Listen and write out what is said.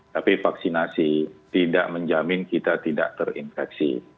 tapi vaksinasi tidak menjamin kita tidak terinfeksi